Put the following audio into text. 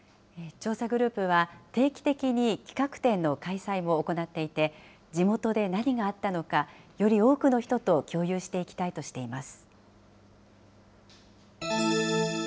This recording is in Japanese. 調査グループは、定期的に企画展の開催も行っていて、地元で何があったのか、より多くの人と共有していきたいとしています。